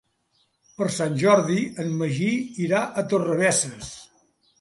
Per Sant Jordi en Magí irà a Torrebesses.